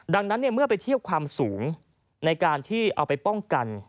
ดังนั้นเมื่อไปเทียบความสูงในการที่เอาไปป้องกัน